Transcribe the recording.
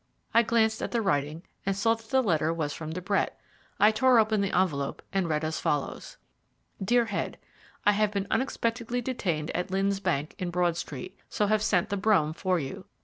I glanced at the writing, and saw that the letter was from De Brett. I tore open the envelope, and read as follows: "DEAR HEAD, I have been unexpectedly detained at Lynn's bank, in Broad Street, so have sent the brougham for you.